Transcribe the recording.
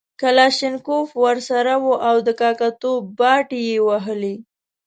کلاشینکوف ورسره وو او د کاکه توب باټې یې وهلې.